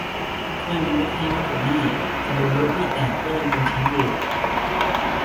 ถ้วยมันก็แค่วัตถุน่า จะโดนรถบี้แตกก็ยังเป็นแชมป์อยู่